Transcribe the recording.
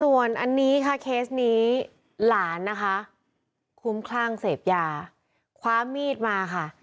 ส่วนอันนี้ค่ะเคสนี้หลานนะคะคุ้มคลั่งเสพยาคว้ามีดมาค่ะ